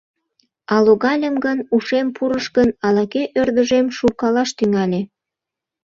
А логальым гын, ушем пурыш гын, ала-кӧ ӧрдыжем шуркалаш тӱҥале.